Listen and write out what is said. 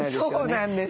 そうなんです。